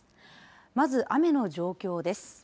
まず、雨の状況です。